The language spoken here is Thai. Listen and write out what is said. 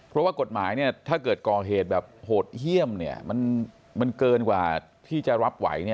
เพราะว่ากฎหมายถ้าเกิดกรเหตุแบบโหดเยี่ยมมันเกินกว่าที่จะรับไหว